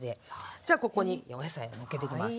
じゃあここにお野菜のっけていきます。